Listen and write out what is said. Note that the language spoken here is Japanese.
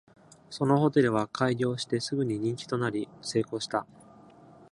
そのホテルは開業してすぐに人気となり、成功した。